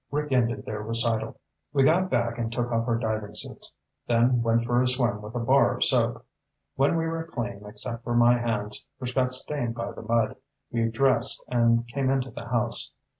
Rick ended their recital. "We got back and took off our diving suits, then went for a swim with a bar of soap. When we were clean, except for my hands, which got stained by the mud, we dressed and came into the house.